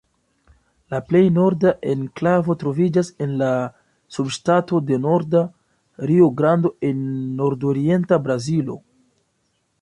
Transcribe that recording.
La plej norda enklavo troviĝas en la subŝtato de Norda Rio-Grando en nordorienta Brazilo.